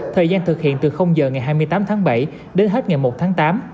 thời gian thực hiện từ giờ ngày hai mươi tám tháng bảy đến hết ngày một tháng tám